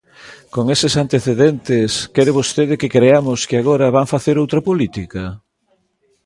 Con eses antecedentes ¿quere vostede que creamos que agora van facer outra política?